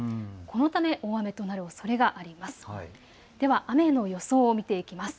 このため大雨となるおそれがあります。